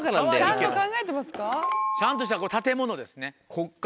ピンポンちゃんとした建物ですね。